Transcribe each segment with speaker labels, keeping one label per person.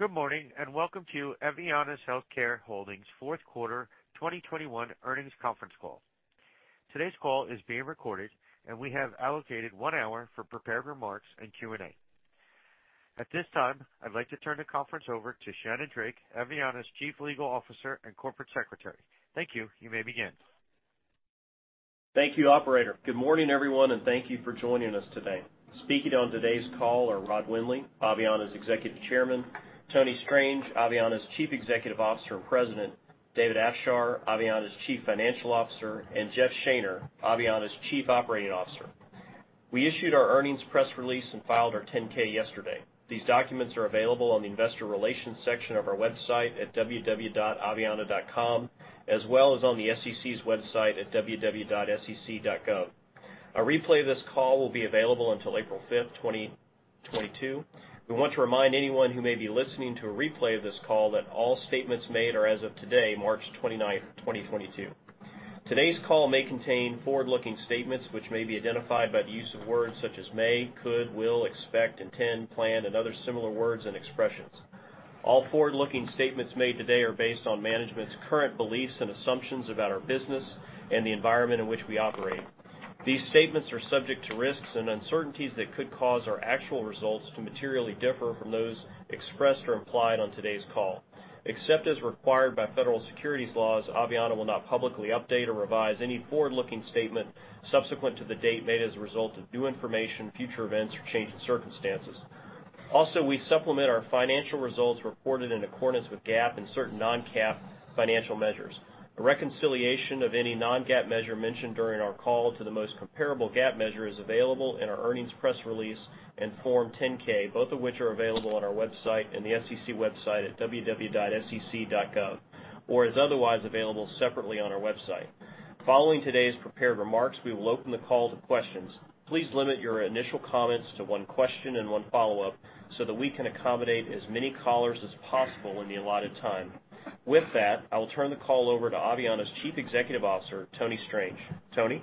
Speaker 1: Good morning, and welcome to Aveanna Healthcare Holdings fourth quarter 2021 earnings conference call. Today's call is being recorded and we have allocated one hour for prepared remarks and Q&A. At this time, I'd like to turn the conference over to Shannon Drake, Aveanna's Chief Legal Officer and Corporate Secretary. Thank you. You may begin.
Speaker 2: Thank you, operator. Good morning, everyone, and thank you for joining us today. Speaking on today's call are Rod Windley, Aveanna's Executive Chairman, Tony Strange, Aveanna's Chief Executive Officer and President, David Afshar, Aveanna's Chief Financial Officer, and Jeff Shaner, Aveanna's Chief Operating Officer. We issued our earnings press release and filed our 10-K yesterday. These documents are available on the investor relations section of our website at www.aveanna.com, as well as on the SEC's website at www.sec.gov. A replay of this call will be available until April 5th, 2022. We want to remind anyone who may be listening to a replay of this call that all statements made are as of today, March 29th, 2022. Today's call may contain forward-looking statements which may be identified by the use of words such as may, could, will, expect, intend, plan, and other similar words and expressions. All forward-looking statements made today are based on management's current beliefs and assumptions about our business and the environment in which we operate. These statements are subject to risks and uncertainties that could cause our actual results to materially differ from those expressed or implied on today's call. Except as required by federal securities laws, Aveanna will not publicly update or revise any forward-looking statement subsequent to the date made as a result of new information, future events, or change in circumstances. Also, we supplement our financial results reported in accordance with GAAP and certain non-GAAP financial measures. A reconciliation of any non-GAAP measure mentioned during our call to the most comparable GAAP measure is available in our earnings press release and Form 10-K, both of which are available on our website and the SEC website at www.sec.gov, or is otherwise available separately on our website. Following today's prepared remarks, we will open the call to questions. Please limit your initial comments to one question and one follow-up so that we can accommodate as many callers as possible in the allotted time. With that, I will turn the call over to Aveanna's Chief Executive Officer, Tony Strange. Tony?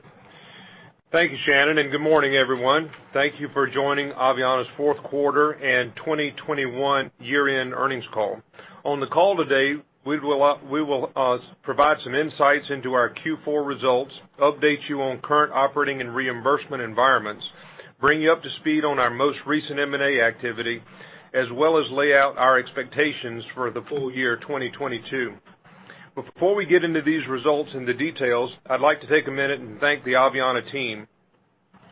Speaker 3: Thank you, Shannon, and good morning, everyone. Thank you for joining Aveanna's fourth quarter and 2021 year-end earnings call. On the call today, we will provide some insights into our Q4 results, update you on current operating and reimbursement environments, bring you up to speed on our most recent M&A activity, as well as lay out our expectations for the full year 2022. Before we get into these results and the details, I'd like to take a minute and thank the Aveanna team.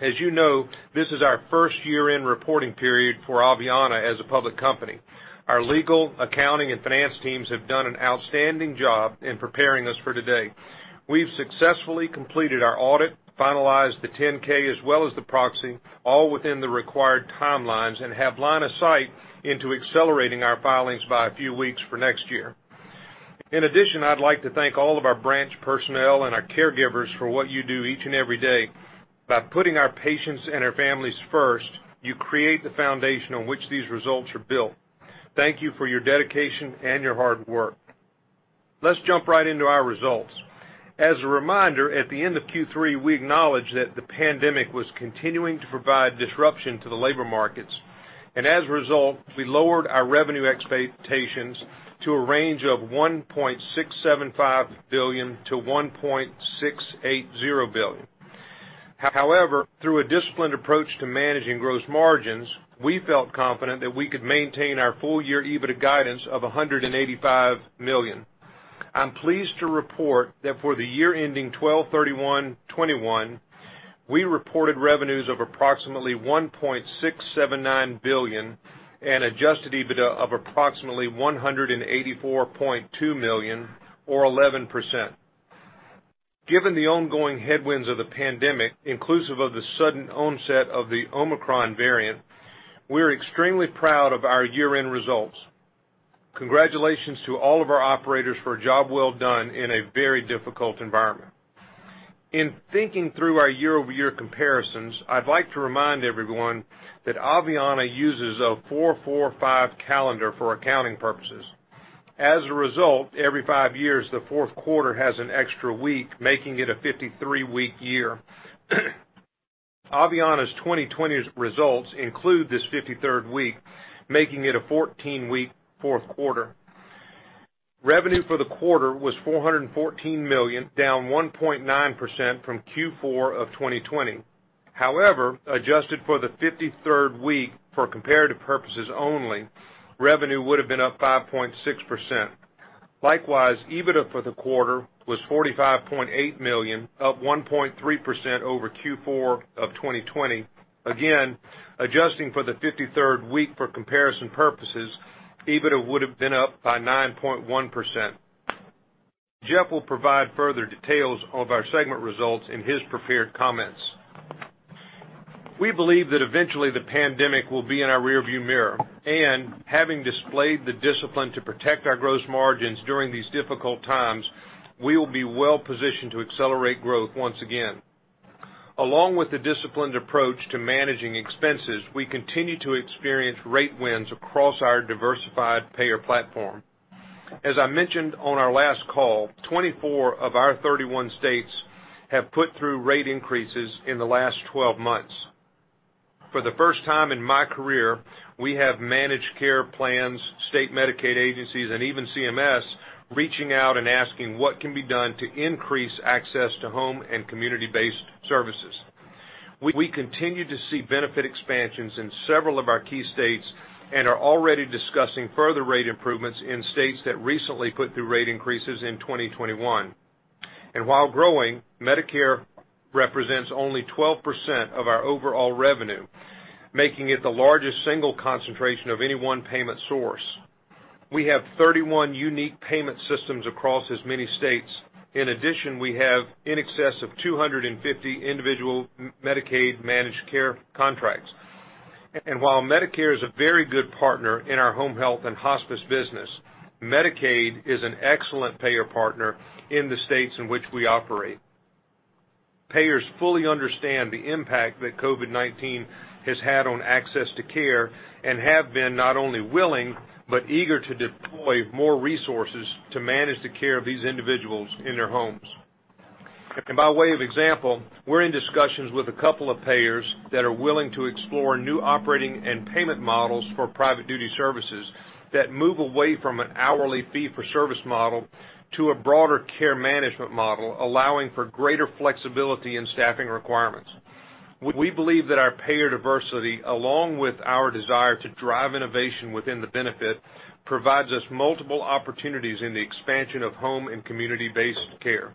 Speaker 3: As you know, this is our first year-end reporting period for Aveanna as a public company. Our legal, accounting, and finance teams have done an outstanding job in preparing us for today. We've successfully completed our audit, finalized the 10-K as well as the proxy all within the required timelines, and have line of sight into accelerating our filings by a few weeks for next year. In addition, I'd like to thank all of our branch personnel and our caregivers for what you do each and every day. By putting our patients and our families first, you create the foundation on which these results are built. Thank you for your dedication and your hard work. Let's jump right into our results. As a reminder, at the end of Q3, we acknowledged that the pandemic was continuing to provide disruption to the labor markets, and as a result, we lowered our revenue expectations to a range of $1.675 billion-$1.680 billion. However, through a disciplined approach to managing gross margins, we felt confident that we could maintain our full year EBITDA guidance of $185 million. I'm pleased to report that for the year ending 12/31/2021, we reported revenues of approximately $1.679 billion and adjusted EBITDA of approximately $184.2 million or 11%. Given the ongoing headwinds of the pandemic, inclusive of the sudden onset of the Omicron variant, we're extremely proud of our year-end results. Congratulations to all of our operators for a job well done in a very difficult environment. In thinking through our year-over-year comparisons, I'd like to remind everyone that Aveanna uses a 4-4-5 calendar for accounting purposes. As a result, every five years, the fourth quarter has an extra week, making it a 53-week year. Aveanna's 2020 results include this 53rd week, making it a 14-week fourth quarter. Revenue for the quarter was $414 million, down 1.9% from Q4 of 2020. However, adjusted for the 53rd week for comparative purposes only, revenue would have been up 5.6%. Likewise, EBITDA for the quarter was $45.8 million, up 1.3% over Q4 of 2020. Again adjusting for the 53rd week for comparison purposes, EBITDA would have been up by 9.1%. Jeff will provide further details of our segment results in his prepared comments. We believe that eventually the pandemic will be in our rearview mirror, and having displayed the discipline to protect our gross margins during these difficult times, we will be well positioned to accelerate growth once again. Along with the disciplined approach to managing expenses, we continue to experience rate wins across our diversified payer platform. As I mentioned on our last call, 24 of our 31 states have put through rate increases in the last 12 months. For the first time in my career, we have managed care plans, state Medicaid agencies, and even CMS reaching out and asking what can be done to increase access to home and community-based services. We continue to see benefit expansions in several of our key states and are already discussing further rate improvements in states that recently put through rate increases in 2021. While growing, Medicare represents only 12% of our overall revenue, making it the largest single concentration of any one payment source. We have 31 unique payment systems across as many states. In addition, we have in excess of 250 individual Medicaid managed care contracts. While Medicare is a very good partner in our Home Health & Hospice business, Medicaid is an excellent payer partner in the states in which we operate. Payers fully understand the impact that COVID-19 has had on access to care and have been not only willing but eager to deploy more resources to manage the care of these individuals in their homes. By way of example, we're in discussions with a couple of payers that are willing to explore new operating and payment models for Private Duty Services that move away from an hourly fee-for-service model to a broader care management model, allowing for greater flexibility in staffing requirements. We believe that our payer diversity, along with our desire to drive innovation within the benefit, provides us multiple opportunities in the expansion of home and community-based care.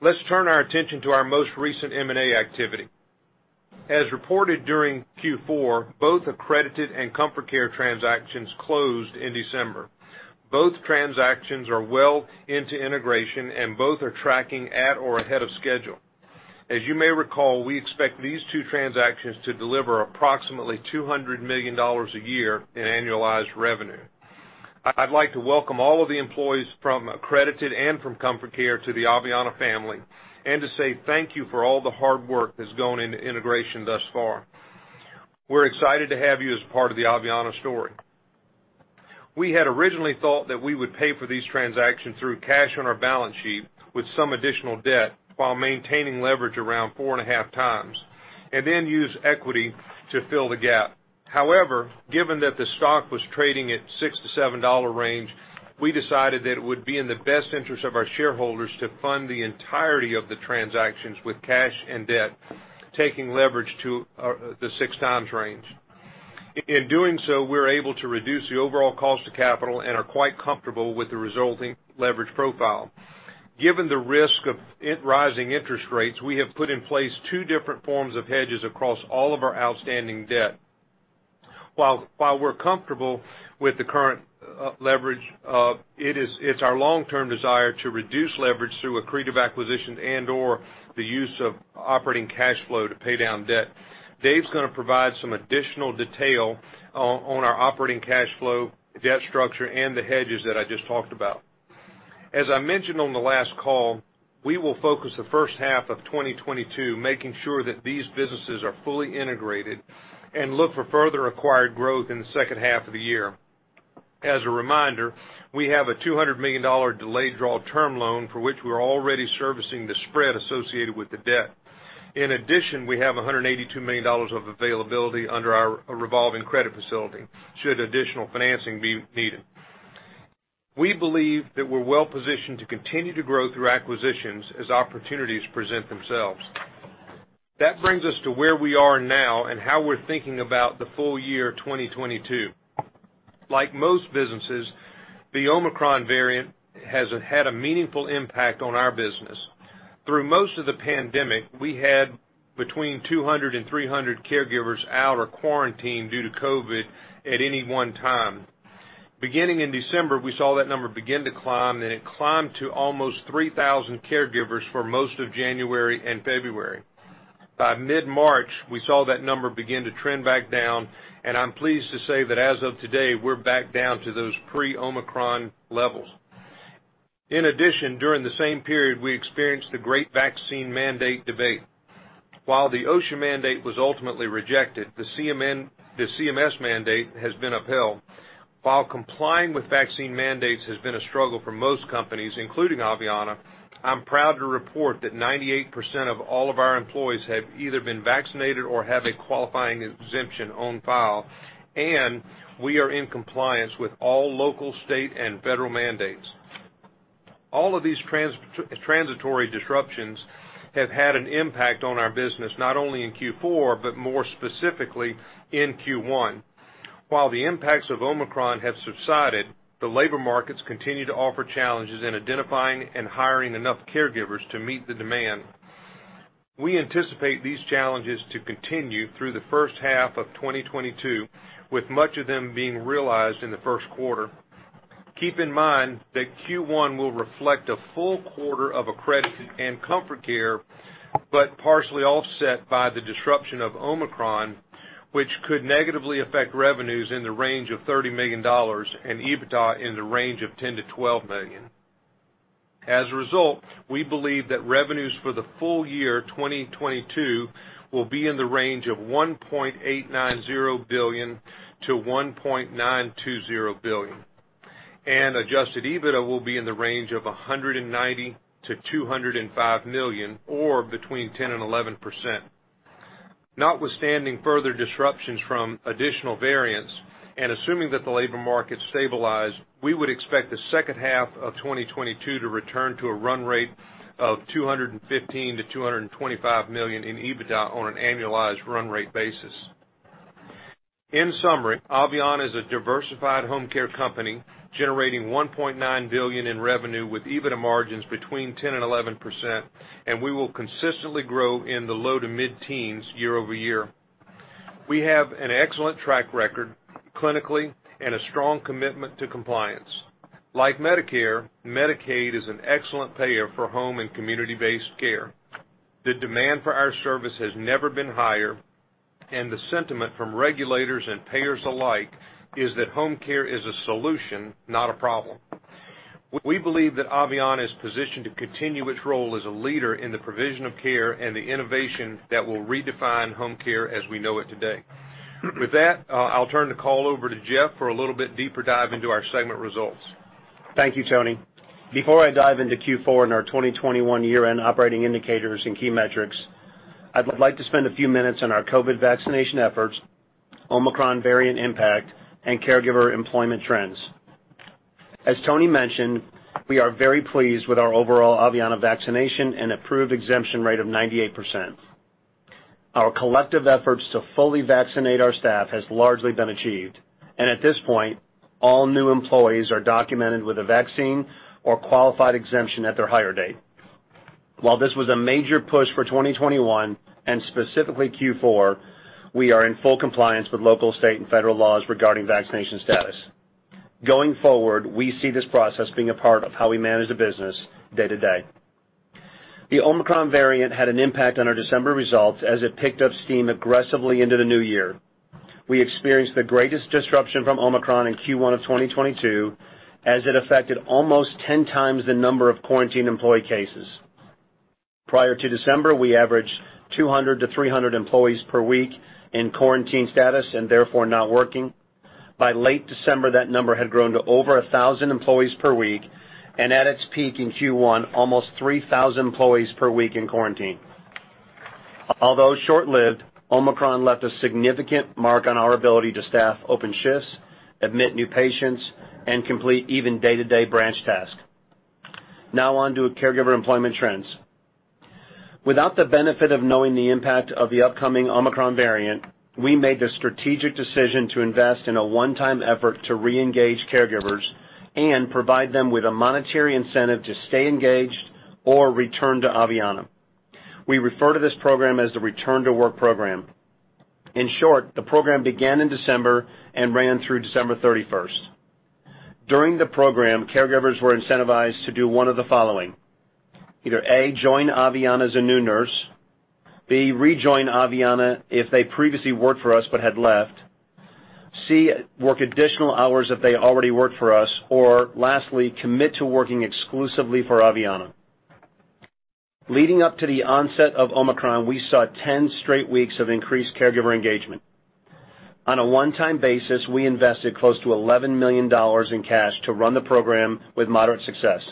Speaker 3: Let's turn our attention to our most recent M&A activity. As reported during Q4, both Accredited and Comfort Care transactions closed in December. Both transactions are well into integration, and both are tracking at or ahead of schedule. As you may recall, we expect these two transactions to deliver approximately $200 million a year in annualized revenue. I'd like to welcome all of the employees from Accredited and from Comfort Care to the Aveanna family and to say thank you for all the hard work that's gone into integration thus far. We're excited to have you as part of the Aveanna story. We had originally thought that we would pay for these transactions through cash on our balance sheet, with some additional debt while maintaining leverage around 4.5x, and then use equity to fill the gap. However, given that the stock was trading at $6-$7 range, we decided that it would be in the best interest of our shareholders to fund the entirety of the transactions with cash and debt, taking leverage to the 6x range. In doing so, we're able to reduce the overall cost of capital and are quite comfortable with the resulting leverage profile. Given the risk of rising interest rates, we have put in place two different forms of hedges across all of our outstanding debt. While we're comfortable with the current leverage, it's our long-term desire to reduce leverage through accretive acquisitions and/or the use of operating cash flow to pay down debt. David's gonna provide some additional detail on our operating cash flow, debt structure, and the hedges that I just talked about. As I mentioned on the last call, we will focus the first half of 2022 making sure that these businesses are fully integrated and look for further acquired growth in the second half of the year. As a reminder, we have a $200 million delayed draw term loan for which we're already servicing the spread associated with the debt. In addition, we have $182 million of availability under our revolving credit facility should additional financing be needed. We believe that we're well positioned to continue to grow through acquisitions as opportunities present themselves. That brings us to where we are now and how we're thinking about the full year 2022. Like most businesses, the Omicron variant has had a meaningful impact on our business. Through most of the pandemic, we had between 200 and 300 caregivers out or quarantined due to COVID at any one time. Beginning in December, we saw that number begin to climb, and it climbed to almost 3,000 caregivers for most of January and February. By mid-March, we saw that number begin to trend back down, and I'm pleased to say that as of today, we're back down to those pre-Omicron levels. In addition, during the same period, we experienced the great vaccine mandate debate. While the OSHA mandate was ultimately rejected, the CMS mandate has been upheld. While complying with vaccine mandates has been a struggle for most companies, including Aveanna, I'm proud to report that 98% of all of our employees have either been vaccinated or have a qualifying exemption on file, and we are in compliance with all local, state, and federal mandates. All of these transitory disruptions have had an impact on our business, not only in Q4 but more specifically in Q1. While the impacts of Omicron have subsided, the labor markets continue to offer challenges in identifying and hiring enough caregivers to meet the demand. We anticipate these challenges to continue through the first half of 2022, with much of them being realized in the first quarter. Keep in mind that Q1 will reflect a full quarter of Accredited and Comfort Care but partially offset by the disruption of Omicron, which could negatively affect revenues in the range of $30 million and EBITDA in the range of $10 million-$12 million. As a result, we believe that revenues for the full year 2022 will be in the range of $1.890 billion-$1.920 billion and adjusted EBITDA will be in the range of $190 million-$205 million or between 10% and 11%. Notwithstanding further disruptions from additional variants and assuming that the labor market stabilize, we would expect the second half of 2022 to return to a run rate of $215 million-$225 million in EBITDA on an annualized run rate basis. In summary, Aveanna is a diversified home care company generating $1.9 billion in revenue with EBITDA margins between 10% and 11%, and we will consistently grow in the low- to mid-teens year-over-year. We have an excellent track record clinically and a strong commitment to compliance. Like Medicare, Medicaid is an excellent payer for home and community-based care. The demand for our service has never been higher, and the sentiment from regulators and payers alike is that home care is a solution, not a problem. We believe that Aveanna is positioned to continue its role as a leader in the provision of care and the innovation that will redefine home care as we know it today. With that, I'll turn the call over to Jeff for a little bit deeper dive into our segment results.
Speaker 4: Thank you, Tony. Before I dive into Q4 and our 2021 year-end operating indicators and key metrics, I'd like to spend a few minutes on our COVID vaccination efforts, Omicron variant impact, and caregiver employment trends. As Tony mentioned, we are very pleased with our overall Aveanna vaccination and approved exemption rate of 98%. Our collective efforts to fully vaccinate our staff has largely been achieved, and at this point, all new employees are documented with a vaccine or qualified exemption at their hire date. While this was a major push for 2021 and specifically Q4, we are in full compliance with local, state, and federal laws regarding vaccination status. Going forward, we see this process being a part of how we manage the business day to day. The Omicron variant had an impact on our December results as it picked up steam aggressively into the new year. We experienced the greatest disruption from Omicron in Q1 of 2022, as it affected almost 10x the number of quarantined employee cases. Prior to December, we averaged 200-300 employees per week in quarantine status and therefore not working. By late December, that number had grown to over 1,000 employees per week, and at its peak in Q1, almost 3,000 employees per week in quarantine. Although short lived, Omicron left a significant mark on our ability to staff open shifts, admit new patients, and complete even day-to-day branch tasks. Now on to caregiver employment trends. Without the benefit of knowing the impact of the upcoming Omicron variant, we made the strategic decision to invest in a one-time effort to reengage caregivers and provide them with a monetary incentive to stay engaged or return to Aveanna. We refer to this program as the return to work program. In short, the program began in December and ran through December 31st. During the program, caregivers were incentivized to do one of the following: either, a, join Aveanna as a new nurse, b, rejoin Aveanna if they previously worked for us but had left, C, work additional hours if they already worked for us, or lastly, commit to working exclusively for Aveanna. Leading up to the onset of Omicron, we saw 10 straight weeks of increased caregiver engagement. On a one-time basis, we invested close to $11 million in cash to run the program, with moderate success.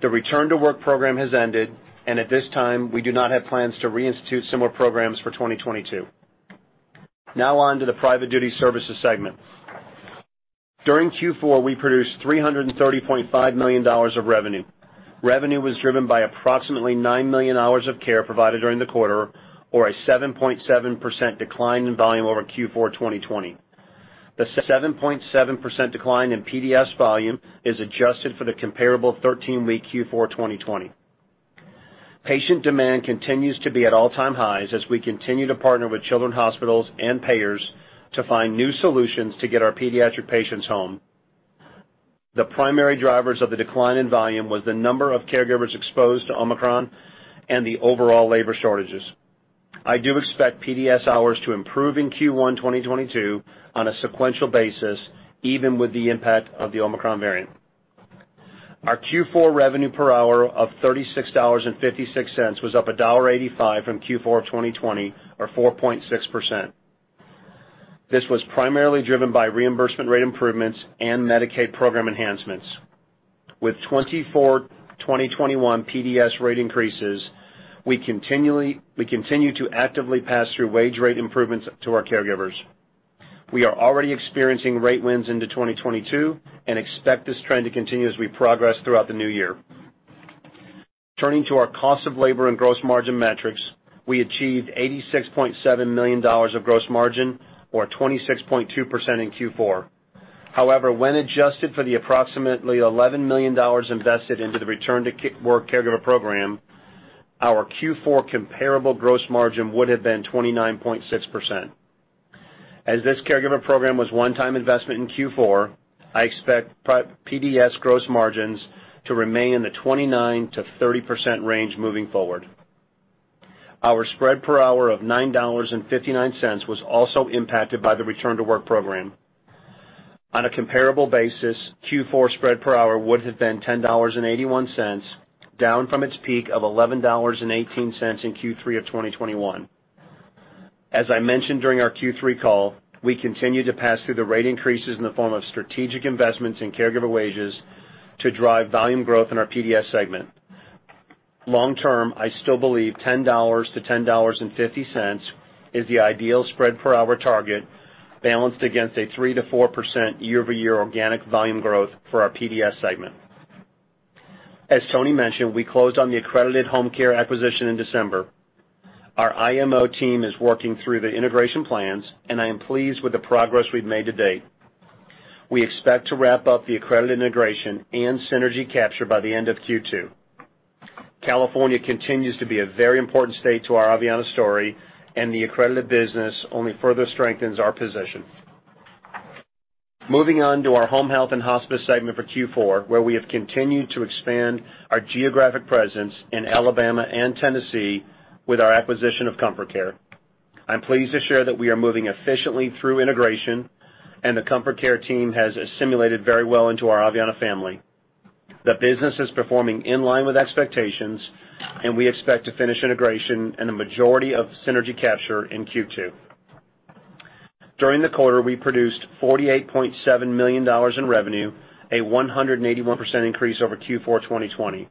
Speaker 4: The return to work program has ended, and at this time, we do not have plans to reinstitute similar programs for 2022. Now on to the Private Duty Services segment. During Q4, we produced $330.5 million of revenue. Revenue was driven by approximately 9 million hours of care provided during the quarter or a 7.7% decline in volume over Q4 2020. The 7.7% decline in PDS volume is adjusted for the comparable 13-week Q4 2020. Patient demand continues to be at all-time highs as we continue to partner with children, hospitals, and payers to find new solutions to get our pediatric patients home. The primary drivers of the decline in volume was the number of caregivers exposed to Omicron and the overall labor shortages. I do expect PDS hours to improve in Q1 2022 on a sequential basis, even with the impact of the Omicron variant. Our Q4 revenue per hour of $36.56 was up $1.85 from Q4 of 2020, or 4.6%. This was primarily driven by reimbursement rate improvements and Medicaid program enhancements. With 24 2021 PDS rate increases, we continue to actively pass through wage rate improvements to our caregivers. We are already experiencing rate wins into 2022 and expect this trend to continue as we progress throughout the new year. Turning to our cost of labor and gross margin metrics. We achieved $86.7 million of gross margin or 26.2% in Q4. However, when adjusted for the approximately $11 million invested into the return to work caregiver program, our Q4 comparable gross margin would have been 29.6%. As this caregiver program was one-time investment in Q4, I expect PDS gross margins to remain in the 29%-30% range moving forward. Our spread per hour of $9.59 was also impacted by the return to work program. On a comparable basis, Q4 spread per hour would have been $10.81, down from its peak of $11.18 in Q3 of 2021. As I mentioned during our Q3 call, we continue to pass through the rate increases in the form of strategic investments in caregiver wages to drive volume growth in our PDS segment. Long term, I still believe $10-$10.50 is the ideal spread per hour target, balanced against a 3%-4% year-over-year organic volume growth, for our PDS segment. As Tony mentioned, we closed on the Accredited Home Care acquisition in December. Our IMO team is working through the integration plans, and I am pleased with the progress we've made to date. We expect to wrap up the Accredited integration and synergy capture by the end of Q2. California continues to be a very important state to our Aveanna story, and the Accredited business only further strengthens our position. Moving on to our Home Health & Hospice segment for Q4, where we have continued to expand our geographic presence in Alabama and Tennessee with our acquisition of Comfort Care. I'm pleased to share that we are moving efficiently through integration and the Comfort Care team has assimilated very well into our Aveanna family. The business is performing in line with expectations, and we expect to finish integration and the majority of synergy capture in Q2. During the quarter, we produced $48.7 million in revenue, a 181% increase over Q4 2020.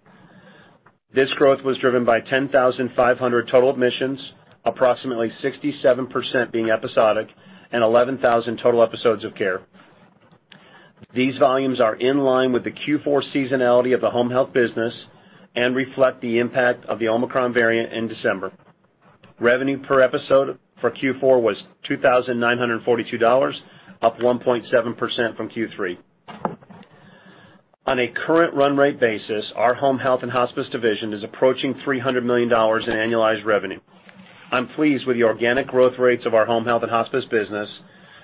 Speaker 4: This growth was driven by 10,500 total admissions, approximately 67% being episodic, and 11,000 total episodes of care. These volumes are in line with the Q4 seasonality of the home health business and reflect the impact of the Omicron variant in December. Revenue per episode for Q4 was $2,942, up 1.7% from Q3. On a current run rate basis, our Home Health & Hospice division is approaching $300 million in annualized revenue. I'm pleased with the organic growth rates of our Home Health & Hospice business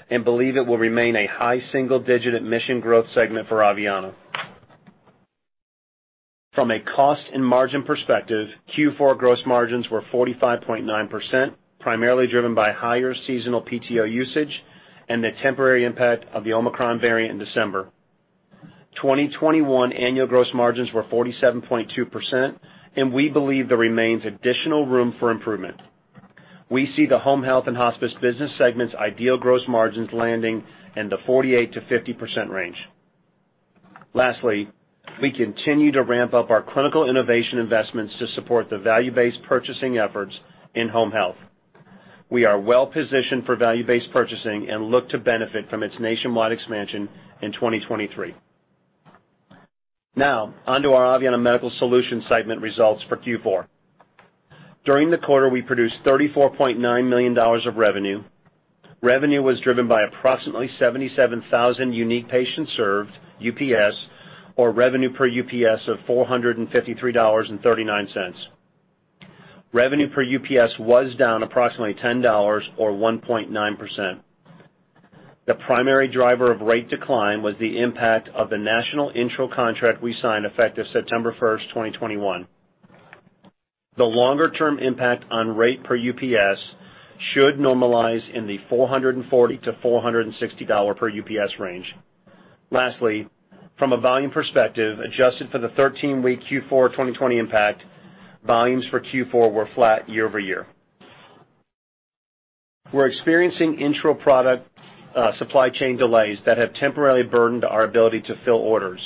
Speaker 4: and believe it will remain a high-single-digit admission growth segment for Aveanna. From a cost and margin perspective, Q4 gross margins were 45.9%, primarily driven by higher seasonal PTO usage and the temporary impact of the Omicron variant in December. 2021 annual gross margins were 47.2%, and we believe there remains additional room for improvement. We see the Home Health & Hospice business segment's ideal gross margins landing in the 48%-50% range. Lastly, we continue to ramp up our clinical innovation investments to support the value-based purchasing efforts in home health. We are well positioned for value-based purchasing and look to benefit from its nationwide expansion in 2023. Now, on to our Aveanna Medical Solutions segment results for Q4. During the quarter, we produced $34.9 million of revenue. Revenue was driven by approximately 77,000 unique patients served, UPS, or revenue per UPS of $453.39. Revenue per UPS was down approximately $10 or 1.9%. The primary driver of rate decline was the impact of the national enteral contract we signed effective September 1st, 2021. The longer-term impact on rate per UPS should normalize in the $440-$460 per UPS range. Lastly, from a volume perspective, adjusted for the 13-week Q4 2020 impact, volumes for Q4 were flat year-over-year. We're experiencing enteral product supply chain delays that have temporarily burdened our ability to fill orders.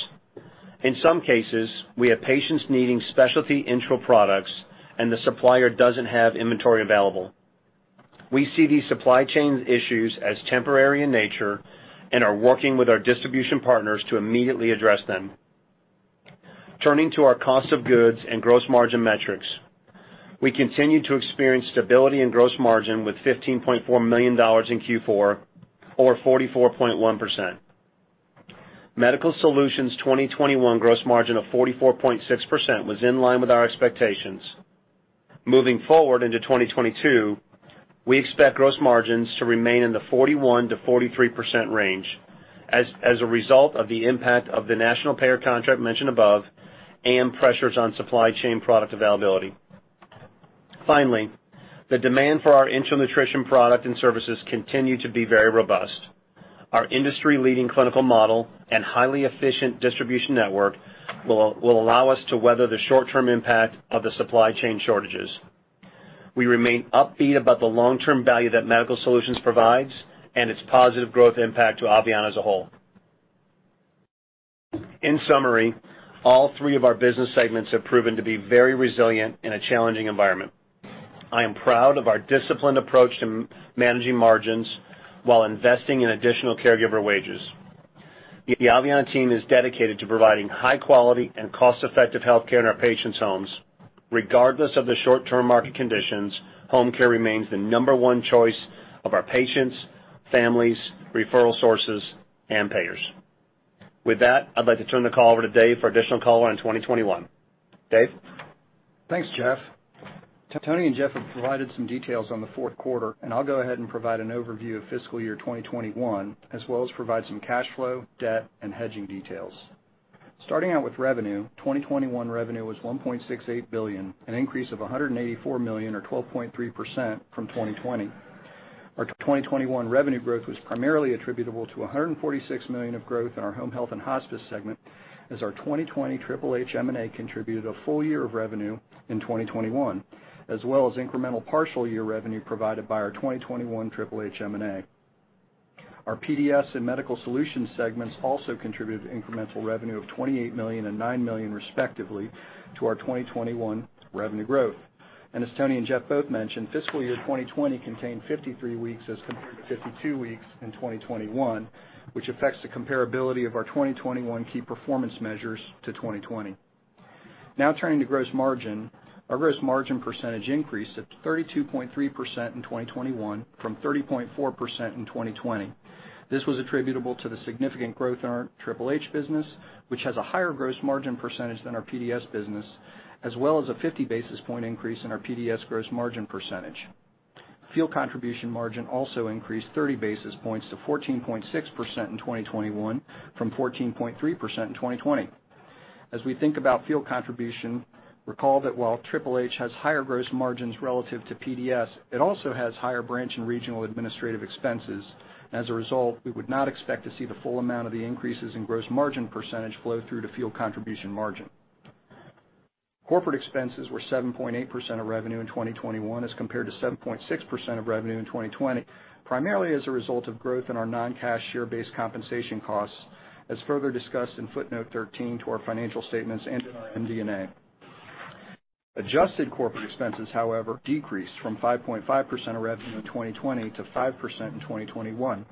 Speaker 4: In some cases, we have patients needing specialty enteral products, and the supplier doesn't have inventory available. We see these supply chain issues as temporary in nature and are working with our distribution partners to immediately address them. Turning to our cost of goods and gross margin metrics. We continued to experience stability in gross margin, with $15.4 million in Q4 or 44.1%. Medical Solutions 2021 gross margin of 44.6% was in line with our expectations. Moving forward into 2022, we expect gross margins to remain in the 41%-43% range as a result of the impact of the national payer contract mentioned above and pressures on supply chain product availability. Finally, the demand for our enteral nutrition product and services continue to be very robust. Our industry-leading clinical model and highly efficient distribution network will allow us to weather the short-term impact of the supply chain shortages. We remain upbeat about the long-term value that Medical Solutions provides and its positive growth impact to Aveanna as a whole. In summary, all three of our business segments have proven to be very resilient in a challenging environment. I am proud of our disciplined approach to managing margins while investing in additional caregiver wages. The Aveanna team is dedicated to providing high-quality and cost-effective health care in our patients' homes. Regardless of the short-term market conditions, home care remains the number one choice of our patients, families, referral sources, and payers. With that, I'd like to turn the call over to Dave for additional color on 2021. Dave?
Speaker 5: Thanks, Jeff. Tony and Jeff have provided some details on the fourth quarter, and I'll go ahead and provide an overview of fiscal year 2021, as well as provide some cash flow, debt, and hedging details. Starting out with revenue: 2021 revenue was $1.68 billion, an increase of $184 million or 12.3% from 2020. Our 2021 revenue growth was primarily attributable to $146 million of growth in our Home Health & Hospice segment, as our 2020 HHH M&A contributed a full year of revenue in 2021, as well as incremental partial year revenue provided by our 2021 HHH M&A. Our PDS and Medical Solutions segments also contributed incremental revenue of $28 million and $9 million, respectively, to our 2021 revenue growth. As Tony and Jeff both mentioned, fiscal year 2020 contained 53 weeks, as compared to 52 weeks in 2021, which affects the comparability of our 2021 key performance measures to 2020. Now turning to gross margin. Our gross margin percentage increased to 32.3% in 2021 from 30.4% in 2020. This was attributable to the significant growth in our HHH business, which has a higher gross margin percentage than our PDS business, as well as a 50 basis point increase in our PDS gross margin percentage. Field contribution margin also increased 30 basis points to 14.6% in 2021 from 14.3% in 2020. As we think about Field contribution, recall that while HHH has higher gross margins relative to PDS, it also has higher branch and regional administrative expenses. As a result, we would not expect to see the full amount of the increases in gross margin percentage flow through to Field contribution margin. Corporate expenses were 7.8% of revenue in 2021, as compared to 7.6% of revenue in 2020, primarily as a result of growth in our non-cash share-based compensation costs, as further discussed in footnote 13 to our financial statements and in our MD&A. Adjusted corporate expenses, however, decreased from 5.5% of revenue in 2020 to 5% in 2021.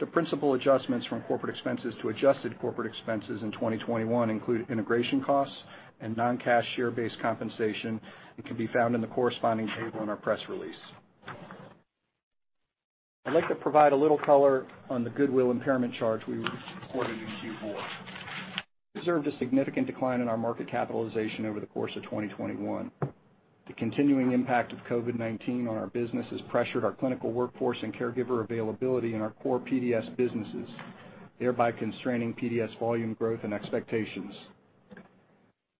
Speaker 5: The principal adjustments from corporate expenses to adjusted corporate expenses in 2021 include integration costs and non-cash share-based compensation, and can be found in the corresponding table in our press release. I'd like to provide a little color on the goodwill impairment charge [we recorded in Q4. We observed a] significant decline in our market capitalization over the course of 2021. The continuing impact of COVID-19 on our business has pressured our clinical workforce and caregiver availability in our core PDS businesses, thereby constraining PDS volume growth and expectations.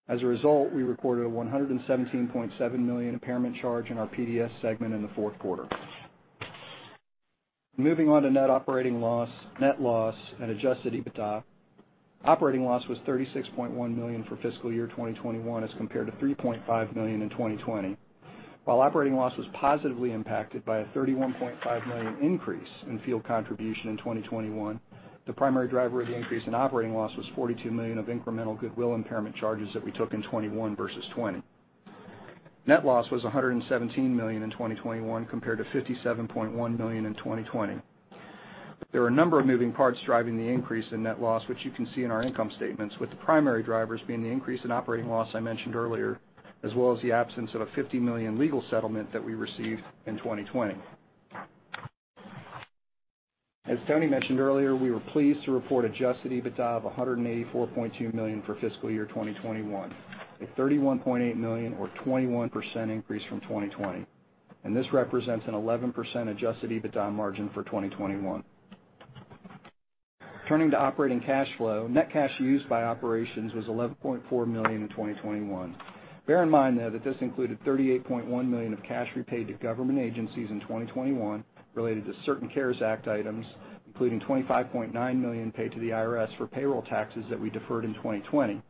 Speaker 5: As a result, we recorded a $117.7 million impairment charge in our PDS segment in the fourth quarter. Moving on to net operating loss, net loss and adjusted EBITDA. Operating loss was $36.1 million for fiscal year 2021, as compared to $3.5 million in 2020. While operating loss was positively impacted by a $31.5 million increase in Field contribution in 2021, the primary driver of the increase in operating loss was $42 million of incremental goodwill impairment charges that we took in 2021 versus 2020. Net loss was $117 million in 2021 compared to $57.1 million in 2020. There are a number of moving parts driving the increase in net loss, which you can see in our income statements, with the primary drivers being the increase in operating loss I mentioned earlier, as well as the absence of a $50 million legal settlement that we received in 2020. As Tony mentioned earlier, we were pleased to report adjusted EBITDA of $184.2 million for fiscal year 2021, a $31.8 million or 21% increase from 2020. This represents an 11% adjusted EBITDA margin for 2021. Turning to operating cash flow. Net cash used by operations was $11.4 million in 2021. Bear in mind, though, that this included $38.1 million of cash repaid to government agencies in 2021 related to certain CARES Act items, including $25.9 million paid to the IRS for payroll taxes that we deferred in 2020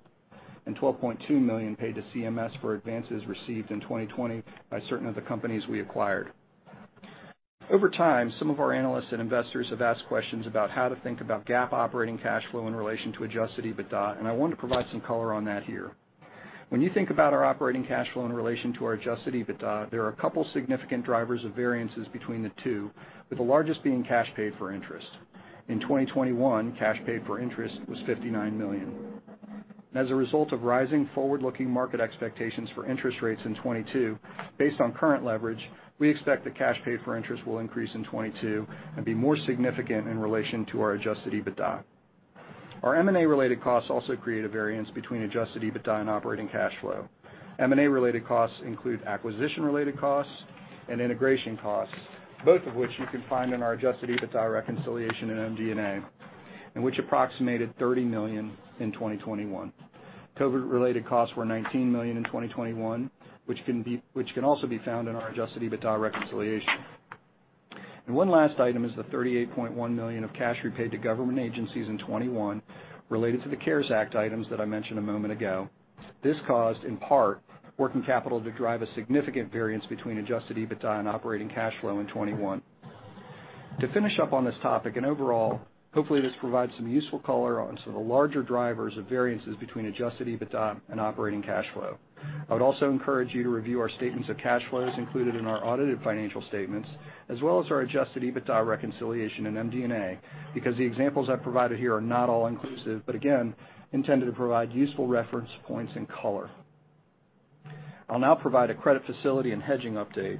Speaker 5: and $12.2 million paid to CMS for advances received in 2020 by certain of the companies we acquired. Over time, some of our analysts and investors have asked questions about how to think about GAAP operating cash flow in relation to adjusted EBITDA, and I want to provide some color on that here. When you think about our operating cash flow in relation to our adjusted EBITDA, there are a couple significant drivers of variances between the two, with the largest being cash paid for interest. In 2021, cash paid for interest was $59 million. As a result of rising forward-looking market expectations for interest rates in 2022, based on current leverage, we expect the cash paid for interest will increase in 2022 and be more significant in relation to our adjusted EBITDA. Our M&A-related costs also create a variance between adjusted EBITDA and operating cash flow. M&A-related costs include acquisition-related costs and integration costs, both of which you can find in our adjusted EBITDA reconciliation in MD&A and which approximated $30 million in 2021. COVID-related costs were $19 million in 2021, which can also be found in our adjusted EBITDA reconciliation. One last item is the $38.1 million of cash repaid to government agencies in 2021 related to the CARES Act items that I mentioned a moment ago. This caused, in part, working capital to drive a significant variance between adjusted EBITDA and operating cash flow in 2021. To finish up on this topic. And overall, hopefully, this provides some useful color on some of the larger drivers of variances between adjusted EBITDA and operating cash flow. I would also encourage you to review our statements of cash flows included in our audited financial statements, as well as our adjusted EBITDA reconciliation in MD&A, because the examples I've provided here are not all inclusive but again intended to provide useful reference points and color. I'll now provide a credit facility and hedging update.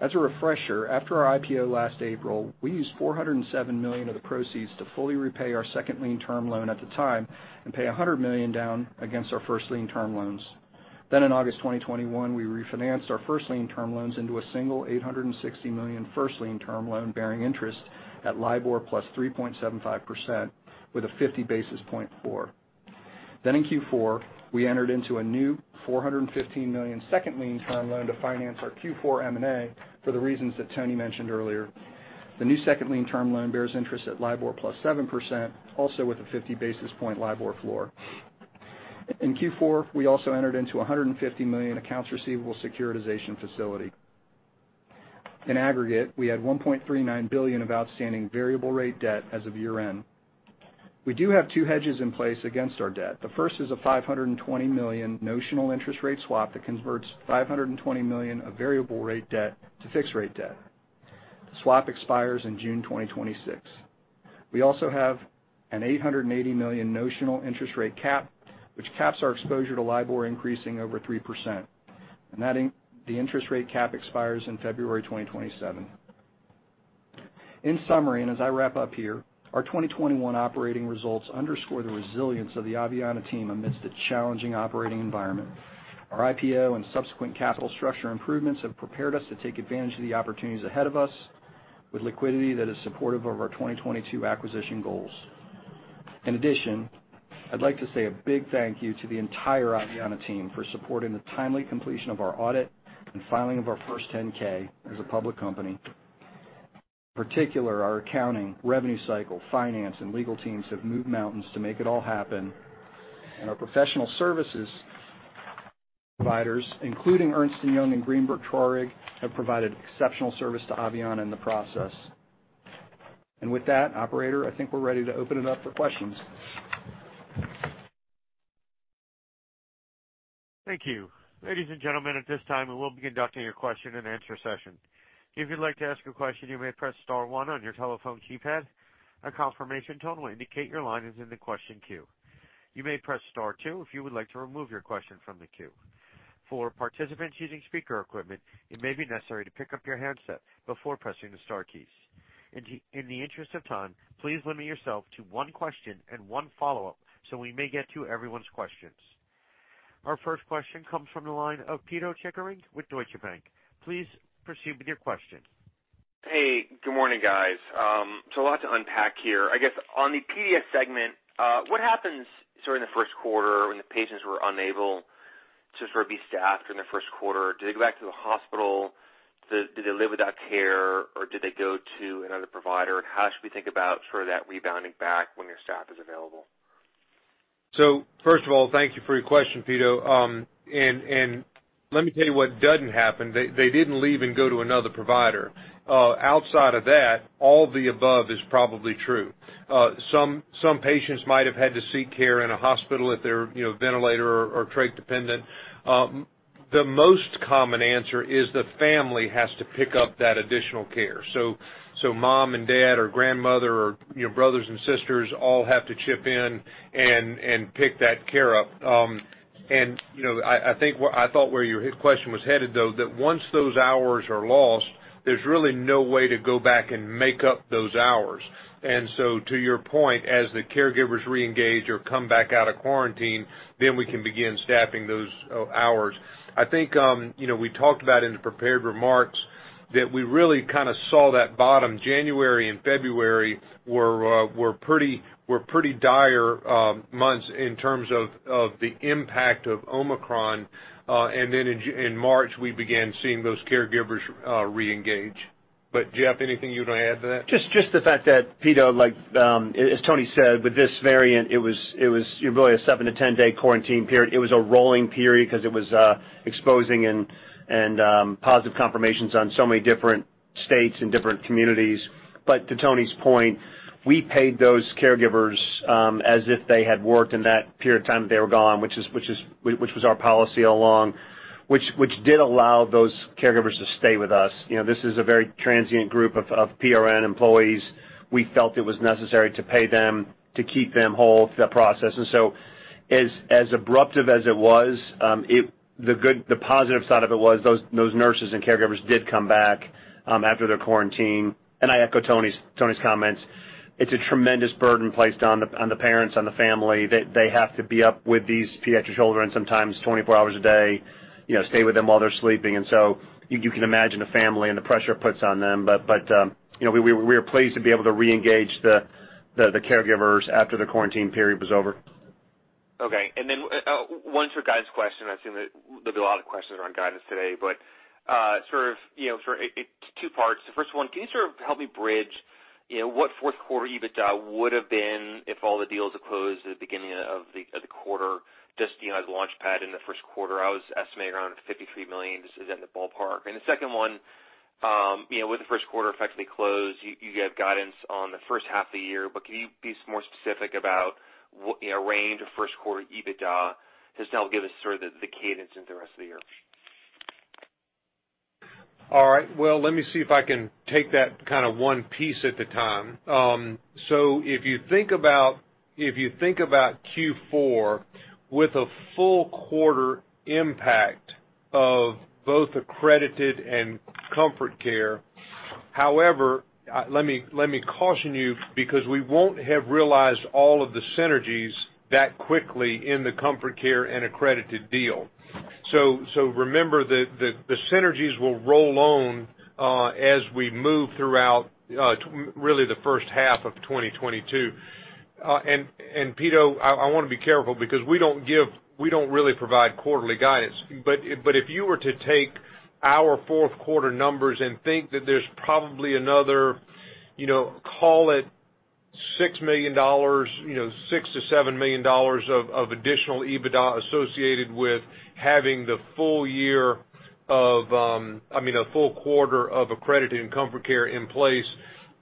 Speaker 5: As a refresher, after our IPO last April, we used $407 million of the proceeds to fully repay our second lien term loan at the time and pay $100 million down against our first lien term loans. In August 2021, we refinanced our first lien term loans into a single $860 million first lien term loan bearing interest at LIBOR plus 3.75% with a 50 basis point floor. In Q4, we entered into a new $415 million second lien term loan to finance our Q4 M&A for the reasons that Tony mentioned earlier. The new second lien term loan bears interest at LIBOR plus 7%, also with a 50 basis point LIBOR floor. In Q4, we also entered into a $150 million accounts receivable securitization facility. In aggregate, we had $1.39 billion of outstanding variable-rate debt as of year-end. We do have two hedges in place against our debt. The first is a $520 million notional interest rate swap that converts $520 million of variable-rate debt to fixed-rate debt. The swap expires in June 2026. We also have an $880 million notional interest rate cap, which caps our exposure to LIBOR increasing over 3%. The interest rate cap expires in February 2027. In summary and as I wrap up here, our 2021 operating results underscore the resilience of the Aveanna team amidst a challenging operating environment. Our IPO and subsequent capital structure improvements have prepared us to take advantage of the opportunities ahead of us with liquidity that is supportive of our 2022 acquisition goals. In addition, I'd like to say a big thank you to the entire Aveanna team for supporting the timely completion of our audit and filing of our first 10-K as a public company. In particular, our accounting, revenue cycle, finance, and legal teams have moved mountains to make it all happen. Our professional services providers, including Ernst & Young and Greenberg Traurig, have provided exceptional service to Aveanna in the process. With that, operator, I think we're ready to open it up for questions.
Speaker 1: Thank you. Ladies and gentlemen, at this time, we will be conducting a question-and-answer session. If you'd like to ask a question, you may press star one on your telephone keypad. A confirmation tone will indicate your line is in the question queue. You may press star two if you would like to remove your question from the queue. For participants using speaker equipment, it may be necessary to pick up your handset before pressing the star keys. In the interest of time, please limit yourself to one question and one follow-up so we may get to everyone's questions. Our first question comes from the line of Pito Chickering with Deutsche Bank. Please proceed with your question.
Speaker 6: Hey, good morning, guys. A lot to unpack here. I guess, on the PDS segment, what happens during the first quarter when the patients were unable to sort of be staffed in the first quarter? Do they go back to the hospital? Do they live without care? Or do they go to another provider? How should we think about sort of that rebounding back when your staff is available?
Speaker 3: First of all, thank you for your question, Pito. Let me tell you what doesn't happen. They didn't leave and go to another provider. Outside of that, all of the above is probably true. Some patients might have had to seek care in a hospital if they're, you know, ventilator or trach dependent. The most common answer is the family has to pick up that additional care. Mom and dad or grandmother or, you know, brothers and sisters all have to chip in and pick that care up. You know, I thought where your question was headed, though, that once those hours are lost, there's really no way to go back and make up those hours. To your point, as the caregivers reengage or come back out of quarantine, then we can begin staffing those hours. I think we talked about in the prepared remarks that we really kind of saw that bottom. January and February were pretty dire months in terms of the impact of Omicron. In March, we began seeing those caregivers reengage. Jeff, anything you wanna add to that?
Speaker 4: Just the fact that, Pito, like, as Tony said, with this variant, it was really a seven- to 10-day quarantine period. It was a rolling period because it was exposures and positive confirmations on so many different states and different communities. To Tony's point, we paid those caregivers as if they had worked in that period of time that they were gone, which was our policy all along, which did allow those caregivers to stay with us. You know, this is a very transient group of PRN employees. We felt it was necessary to pay them, to keep them whole through that process. As abrupt as it was, the positive side of it was those nurses and caregivers did come back after their quarantine. I echo Tony's comments. It's a tremendous burden placed on the parents, on the family. They have to be up with these pediatric children and sometimes 24 hours a day, you know, stay with them while they're sleeping. You can imagine the family and the pressure it puts on them, but you know, we are pleased to be able to reengage the caregivers after the quarantine period was over.
Speaker 6: Okay. One sort of guidance question. I assume that there'll be a lot of questions around guidance today, but sort of, you know, two parts. The first one, can you sort of help me bridge, you know, what fourth quarter EBITDA would've been if all the deals had closed at the beginning of the quarter, just, you know, as a launchpad in the first quarter? I was estimating around $53 million. This is in the ballpark. The second one. You know, with the first quarter effectively closed, you gave guidance on the first half of the year, but can you be more specific about, you know, range of first quarter EBITDA? Just that'll give us sort of the cadence into the rest of the year.
Speaker 3: All right. Well, let me see if I can take that kind of one piece at a time. If you think about Q4 with a full quarter impact of both Accredited and Comfort Care. However, let me caution you because we won't have realized all of the synergies that quickly in the Comfort Care and Accredited deal. Remember the synergies will roll on as we move throughout really the first half of 2022. Pito, I wanna be careful because we don't really provide quarterly guidance. If you were to take our fourth quarter numbers and think that there's probably another, you know, call it, $6 million, you know, $6 million-$7 million of additional EBITDA associated with having the full year of, I mean, a full quarter of Accredited and Comfort Care in place,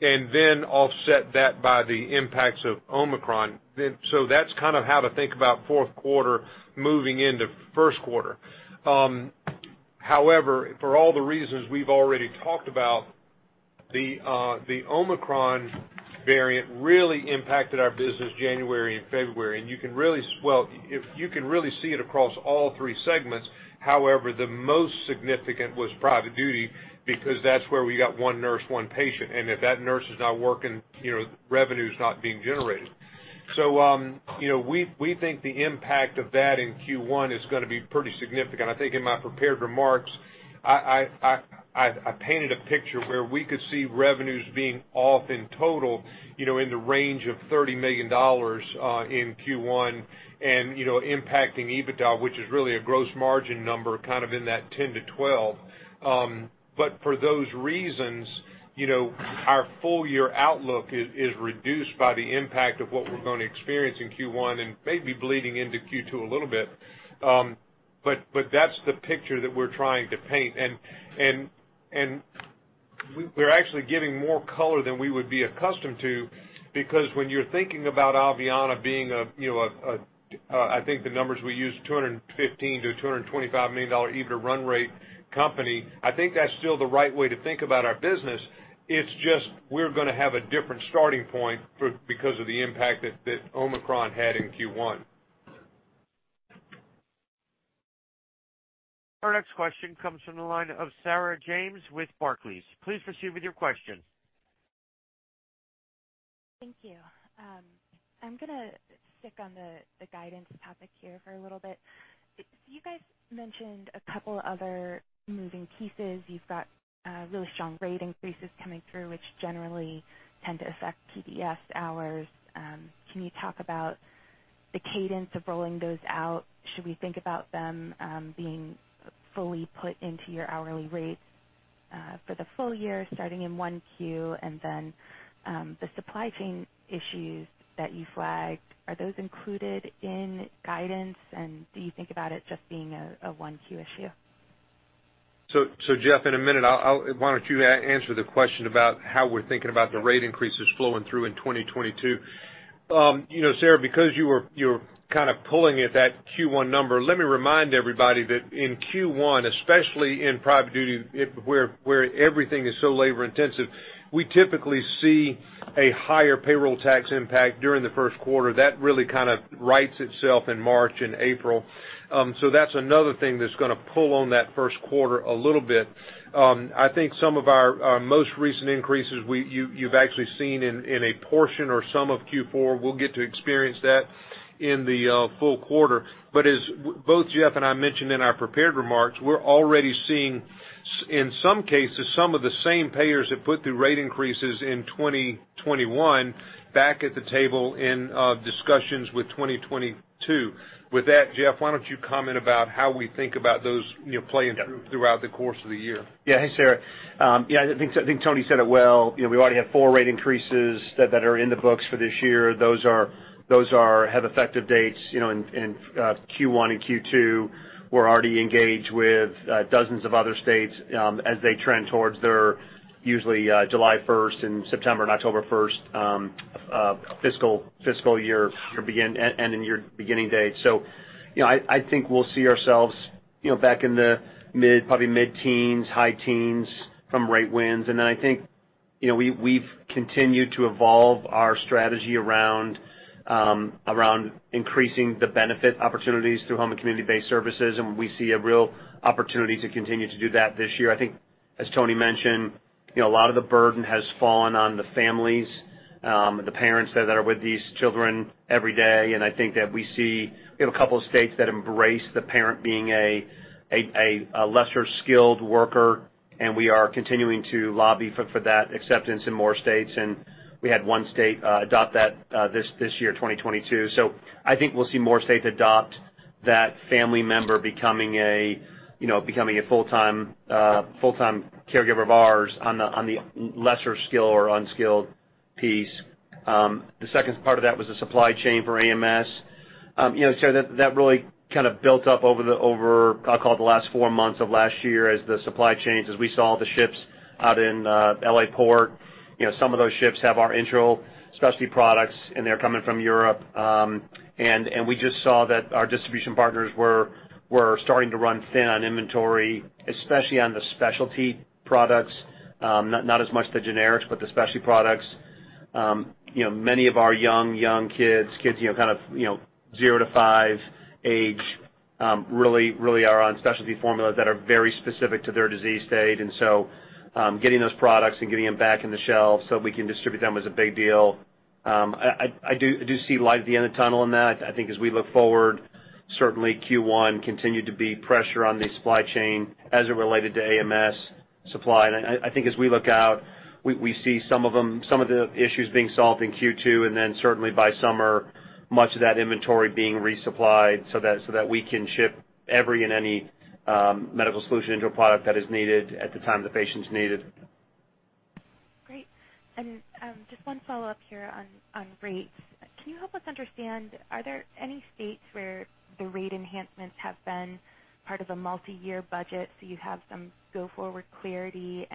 Speaker 3: and then offset that by the impacts of Omicron, that's kind of how to think about fourth quarter, moving into first quarter. However, for all the reasons we've already talked about, the Omicron variant really impacted our business January and February. You can really see it across all three segments. However, the most significant was private duty because that's where we got one nurse, one patient, and if that nurse is not working, you know, revenue is not being generated. We think the impact of that in Q1 is gonna be pretty significant. I think in my prepared remarks I painted a picture where we could see revenues being off in total, you know, in the range of $30 million in Q1 and, you know, impacting EBITDA, which is really a gross margin number, kind of in that $10 million-$12 million. For those reasons, you know, our full year outlook is reduced by the impact of what we're gonna experience in Q1 and maybe bleeding into Q2 a little bit. That's the picture that we're trying to paint. We're actually giving more color than we would be accustomed to because when you're thinking about Aveanna being a, you know, I think, the numbers we use, $215 million-$225 million EBITDA run rate company, I think that's still the right way to think about our business. It's just we're gonna have a different starting point because of the impact that Omicron had in Q1.
Speaker 1: Our next question comes from the line of Sarah James with Barclays. Please proceed with your question.
Speaker 7: Thank you. I'm gonna stick on the guidance topic here for a little bit. You guys mentioned a couple other moving pieces. You've got really strong rate increases coming through, which generally tend to affect PDS hours. Can you talk about the cadence of rolling those out? Should we think about them being fully put into your hourly rates for the full year, starting in 1Q? And then the supply chain issues that you flagged, are those included in guidance, and do you think about it just being a 1Q issue?
Speaker 3: Jeff, in a minute, I'll want you to answer the question about how we're thinking about the rate increases flowing through in 2022. You know, Sarah, because you were kind of pulling at that Q1 number, let me remind everybody that in Q1, especially in private duty where everything is so labor intensive, we typically see a higher payroll tax impact during the first quarter. That really kind of rights itself in March and April. That's another thing that's gonna pull on that first quarter a little bit. I think, some of our most recent increases you've actually seen in a portion or some of Q4, we'll get to experience that in the full quarter. As both Jeff and I mentioned in our prepared remarks, we're already seeing, in some cases, some of the same payers that put through rate increases in 2021 back at the table in discussions with 2022. With that, Jeff, why don't you comment about how we think about those, you know, playing
Speaker 4: Yeah.
Speaker 3: Throughout the course of the year.
Speaker 4: Yeah. Hey, Sarah. Yeah, I think Tony said it well. You know, we already have four rate increases that are in the books for this year. Those have effective dates, you know, in Q1 and Q2. We're already engaged with dozens of other states as they trend towards their usually July 1st and September and October 1st fiscal year-end and year beginning date. I think we'll see ourselves, you know, back in the mid, probably mid-teens, high teens from rate wins. Then I think, you know, we've continued to evolve our strategy around increasing the benefit opportunities through home and community-based services, and we see a real opportunity to continue to do that this year. I think, as Tony mentioned, you know, a lot of the burden has fallen on the families, the parents that are with these children every day. I think that we see, you know, a couple of states that embrace the parent being a lesser-skilled worker, and we are continuing to lobby for that acceptance in more states. We had one state adopt that this year, 2022. I think we'll see more states adopt that family member becoming a, you know, becoming a full-time caregiver of ours on the lesser skill or unskilled piece. The second part of that was the supply chain for AMS. You know, Sarah, that really kind of built up over, I'll call it, the last four months of last year as the supply chains, as we saw the ships out in L.A. port. You know, some of those ships have our enteral specialty products, and they're coming from Europe. And we just saw that our distribution partners were starting to run thin on inventory, especially on the specialty products, not as much the generics but the specialty products. You know, many of our young-young kids, kids, you know, kind of, you know, zero-five age, really are on specialty formulas that are very specific to their disease state. Getting those products and getting them back in the shelves so we can distribute them was a big deal. I do see light at the end of the tunnel in that. I think, as we look forward, certainly Q1 continued to be pressure on the supply chain as it related to AMS supply. I think, as we look out, we see some of the issues being solved in Q2 and then, certainly by summer, much of that inventory being resupplied so that we can ship every and any medical solution enteral product that is needed at the time the patients need it.
Speaker 7: Great. Just one follow-up here on rates. Can you help us understand, are there any states where the rate enhancements have been part of a multiyear budget so you have some go-forward clarity?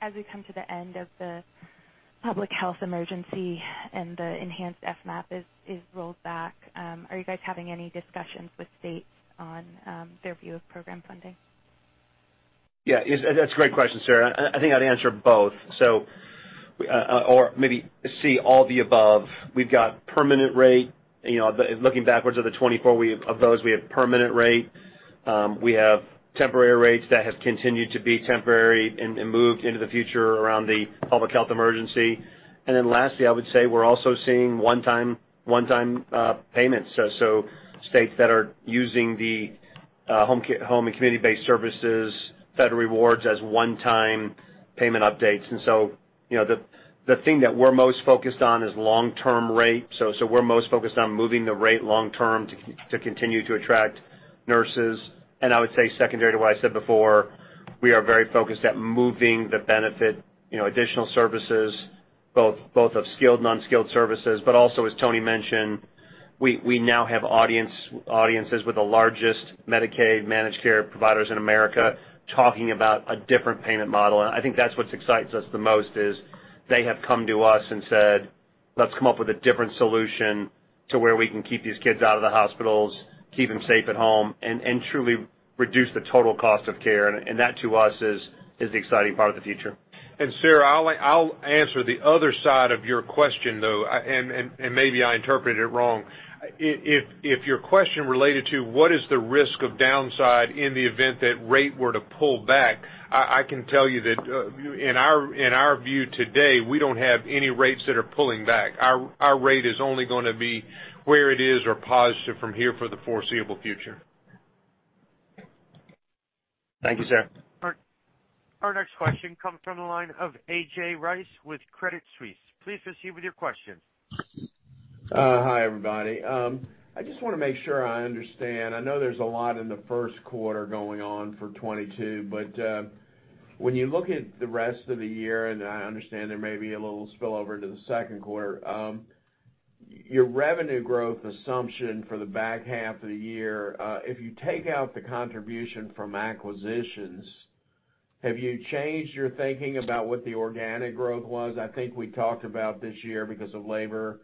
Speaker 7: As we come to the end of the public health emergency and the enhanced FMAP is rolled back, are you guys having any discussions with states on their view of program funding?
Speaker 4: Yeah. That's a great question, Sarah. I think I'd answer both; or maybe, c, all the above. We've got permanent rate. Looking backwards, of the 24 of those, we have permanent rate. We have temporary rates that have continued to be temporary and moved into the future around the public health emergency. Lastly, I would say we're also seeing one-time payments. States that are using the home and community-based services Fed rewards as one-time payment updates. You know, the thing that we're most focused on is long-term rate. We're most focused on moving the rate long term to continue to attract nurses. I would say, secondary to what I said before, we are very focused at moving the benefit, you know, additional services, both of skilled, non-skilled services. Also, as Tony mentioned, we now have audiences with the largest Medicaid managed care providers in America talking about a different payment model. I think that's what excites us the most is they have come to us and said, "Let's come up with a different solution to where we can keep these kids out of the hospitals, keep them safe at home, and truly reduce the total cost of care." That to us is the exciting part of the future.
Speaker 3: Sarah, I'll answer the other side of your question, though, and maybe I interpreted it wrong. If your question related to what is the risk of downside in the event that rate were to pull back, I can tell you that, in our view today, we don't have any rates that are pulling back. Our rate is only gonna be where it is or positive from here for the foreseeable future.
Speaker 4: Thank you, Sarah.
Speaker 1: Our next question comes from the line of A.J. Rice with Credit Suisse. Please proceed with your question.
Speaker 8: Hi, everybody. I just wanna make sure I understand. I know there's a lot in the first quarter going on for 2022, but when you look at the rest of the year, and I understand there may be a little spillover into the second quarter, your revenue growth assumption for the back half of the year, if you take out the contribution from acquisitions, have you changed your thinking about what the organic growth was? I think we talked about this year, because of labor,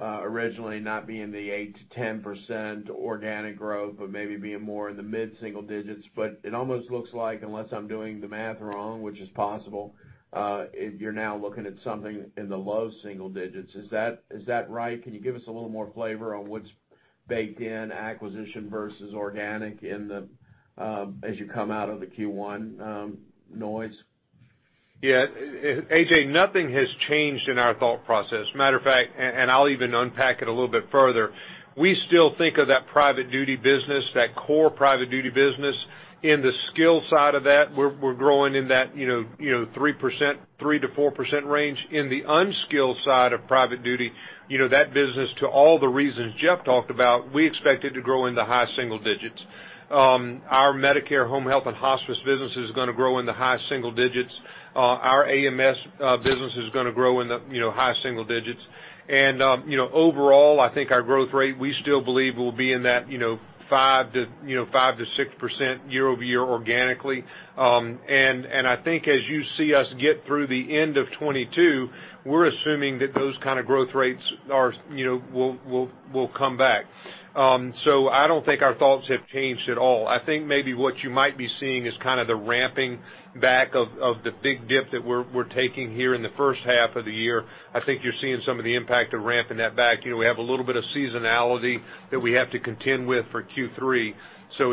Speaker 8: originally not being the 8%-10% organic growth but maybe being more in the mid-single digits. It almost looks like, unless I'm doing the math wrong, which is possible, you're now looking at something in the low single digits. Is that right? Can you give us a little more flavor on what's baked in acquisition versus organic in the as you come out of the Q1 noise?
Speaker 3: Yeah. A.J., nothing has changed in our thought process. Matter of fact, and I'll even unpack it a little bit further, we still think of that private duty business, that core private duty business, in the skilled side of that. We're growing in that, you know, 3%, 3%-4% range. In the unskilled side of private duty, you know, that business, to all the reasons Jeff talked about, we expect it to grow in the high single digits. Our Medicare Home Health & Hospice business is gonna grow in the high single digits. Our AMS business is gonna grow in the high single digits. You know, overall, I think our growth rate, we still believe, will be in that, you know, 5%-6% year-over-year organically. I think, as you see us get through the end of 2022, we're assuming that those kind of growth rates are, you know, will come back. I don't think our thoughts have changed at all. I think maybe what you might be seeing is kind of the ramping back of the big dip that we're taking here in the first half of the year. I think you're seeing some of the impact of ramping that back. You know, we have a little bit of seasonality that we have to contend with for Q3.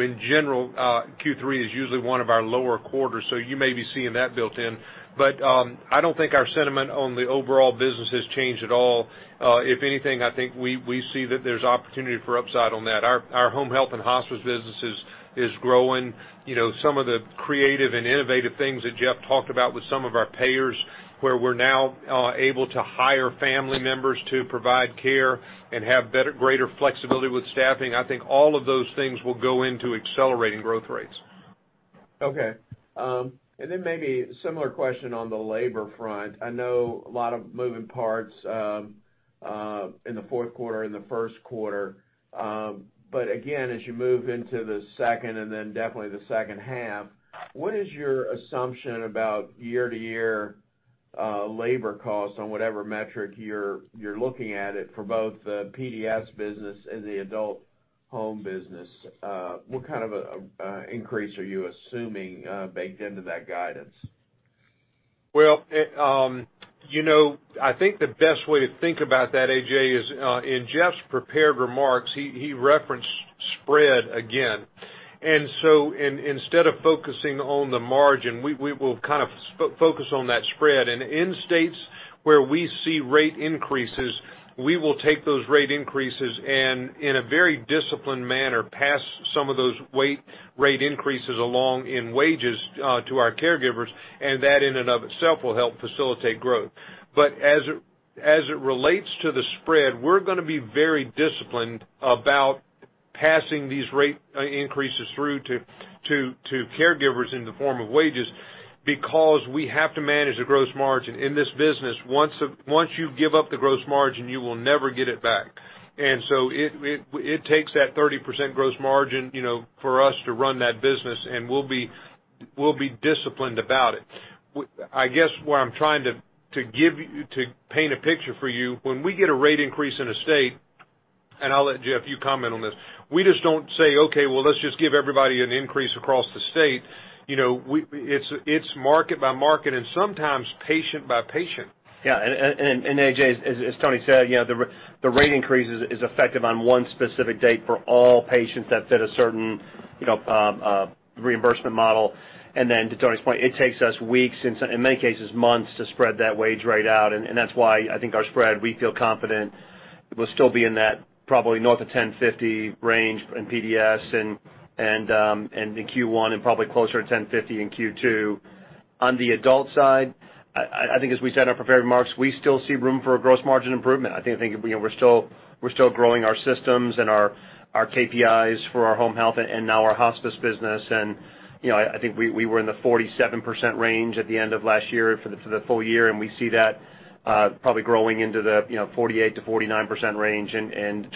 Speaker 3: In general, Q3 is usually one of our lower quarters, so you may be seeing that built in. I don't think our sentiment on the overall business has changed at all. If anything, I think we see that there's opportunity for upside on that. Our Home Health & Hospice business is growing. You know, some of the creative and innovative things that Jeff talked about with some of our payers, where we're now able to hire family members to provide care and have greater flexibility with staffing, I think all of those things will go into accelerating growth rates.
Speaker 8: Okay. Maybe similar question on the labor front. I know, a lot of moving parts in the fourth quarter, in the first quarter. Again, as you move into the second and then definitely the second half, what is your assumption about year-to-year labor costs on whatever metric you're looking at it for both the PDS business and the adult home business? What kind of increase are you assuming baked into that guidance?
Speaker 3: Well, you know, I think the best way to think about that, A.J., is in Jeff's prepared remarks, he referenced spread again. Instead of focusing on the margin, we will kind of focus on that spread. In states where we see rate increases, we will take those rate increases and, in a very disciplined manner, pass some of those rate increases along in wages to our caregivers. And that in and of itself will help facilitate growth, but as it relates to the spread, we're gonna be very disciplined about passing these rate increases through to caregivers in the form of wages because we have to manage the gross margin. In this business, once you give up the gross margin, you will never get it back. It takes that 30% gross margin, you know, for us to run that business, and we'll be disciplined about it. I guess what I'm trying to paint a picture for you, when we get a rate increase in a state, and I'll let, Jeff, you comment on this, we just don't say, "Okay, well, let's just give everybody an increase across the state." You know, it's market by market and sometimes patient by patient.
Speaker 4: Yes. And A.J., as Tony said, you know, the rate increase is effective on one specific date for all patients that fit a certain, you know, reimbursement model. Then to Tony's point, it takes us weeks, in many cases months, to spread that wage rate out. And that's why I think, our spread, we feel confident, will still be in that probably north of $10.50 range in PDS and in Q1 and probably closer to $10.50 in Q2. On the adult side, I think as we said in our prepared remarks, we still see room for a gross margin improvement. I think, you know, we're still growing our systems and our KPIs for our home health and now our hospice business. You know, I think we were in the 47% range at the end of last year, for the full year, and we see that probably growing into the, you know, 48%-49% range in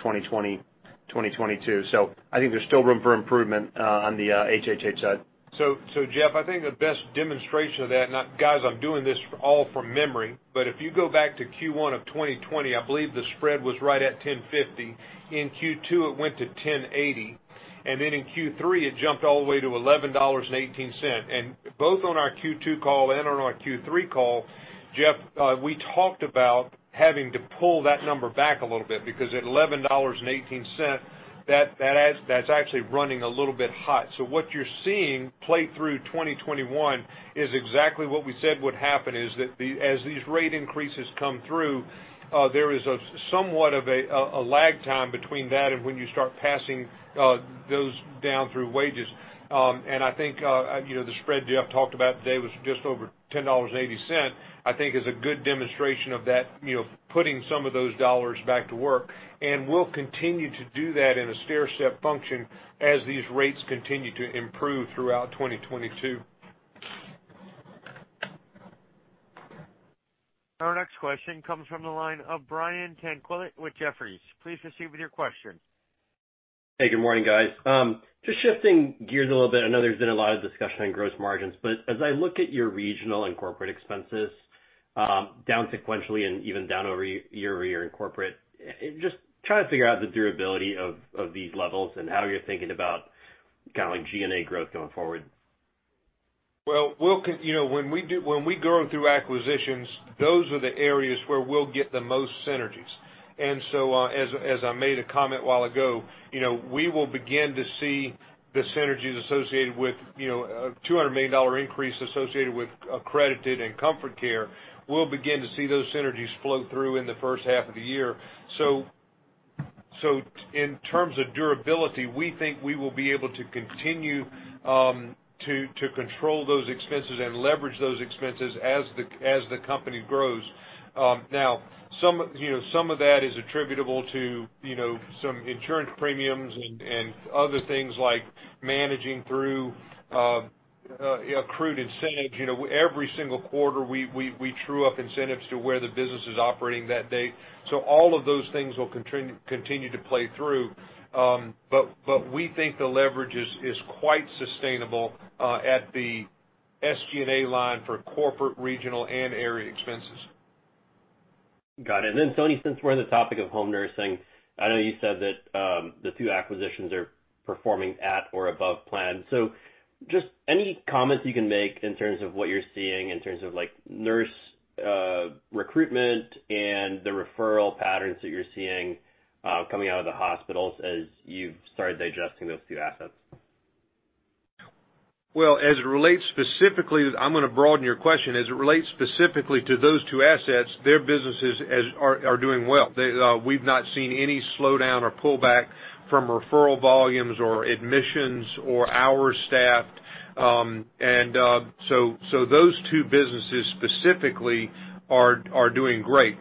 Speaker 4: 2022. I think there's still room for improvement on the HHH side.
Speaker 3: Jeff, I think the best demonstration of that. Guys, I'm doing this all from memory, but if you go back to Q1 of 2020, I believe the spread was right at $10.50. In Q2, it went to $10.80, and then in Q3, it jumped all the way to $11.18. Both on our Q2 call and on our Q3 call, Jeff, we talked about having to pull that number back a little bit because, at $11.18, that's actually running a little bit hot. What you're seeing play through 2021 is exactly what we said would happen, is that as these rate increases come through, there is somewhat of a lag time between that and when you start passing those down through wages. I think, you know, the spread Jeff talked about today was just over $10.80, I think, is a good demonstration of that, you know, putting some of those dollars back to work. We'll continue to do that in a stair step function as these rates continue to improve throughout 2022.
Speaker 1: Our next question comes from the line of Brian Tanquilut with Jefferies. Please proceed with your question.
Speaker 9: Hey, good morning, guys. Just shifting gears a little bit. I know there's been a lot of discussion on gross margins, but as I look at your regional and corporate expenses down sequentially and even down year-over-year in corporate, I'm just trying to figure out the durability of these levels and how you're thinking about kind of like G&A growth going forward.
Speaker 3: Well, we'll you know, when we grow through acquisitions, those are the areas where we'll get the most synergies. As I made a comment a while ago, you know, we will begin to see the synergies associated with, you know, a $200 million increase, associated with Accredited and Comfort Care. We'll begin to see those synergies flow through in the first half of the year. In terms of durability, we think we will be able to continue to control those expenses and leverage those expenses as the company grows. Now, some, you know, some of that is attributable to, you know, some insurance premiums and other things like managing through accrued incentives. You know, every single quarter, we true up incentives to where the business is operating that day. All of those things will continue to play through. We think the leverage is quite sustainable at the SG&A line for corporate, regional, and area expenses.
Speaker 9: Got it. Tony, since we're on the topic of home nursing, I know you said that the two acquisitions are performing at or above plan. Just any comments you can make in terms of what you're seeing in terms of like nurse recruitment and the referral patterns that you're seeing coming out of the hospitals as you've started digesting those two assets?
Speaker 3: Well, as it relates specifically, I'm gonna broaden your question. As it relates specifically to those two assets, their businesses are doing well. We've not seen any slowdown or pullback from referral volumes or admissions or hours staffed. So those two businesses specifically are doing great.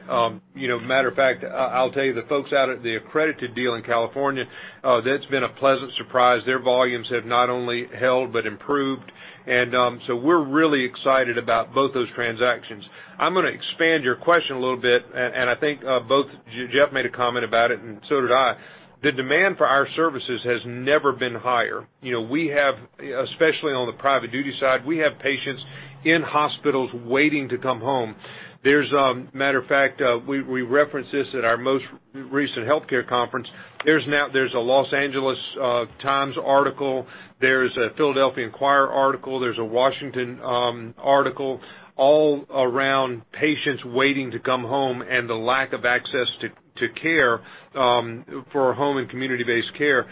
Speaker 3: You know, matter of fact, I'll tell you, the folks out at the Accredited deal in California, that's been a pleasant surprise. Their volumes have not only held but improved. We're really excited about both those transactions. I'm gonna expand your question a little bit, and I think both Jeff made a comment about it, and so did I. The demand for our services has never been higher. You know, we have, especially on the private duty side, we have patients in hospitals waiting to come home. As a matter of fact, we referenced this at our most recent health care conference. There's now a Los Angeles Times article. There's a Philadelphia Inquirer article. There's a Washington Post article all around patients waiting to come home and the lack of access to care, for home and community-based care.